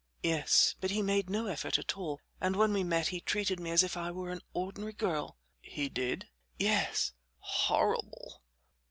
"Yes, but he made no effort at all, and when we met he treated me as if I were an ordinary girl." "He did?" "Yes." "Horrible."